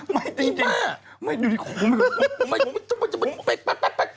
ไม่ได้ดิจริงของมันไม่คุณ